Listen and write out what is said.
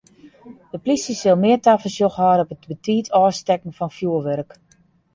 De polysje sil mear tafersjoch hâlde op it te betiid ôfstekken fan fjurwurk.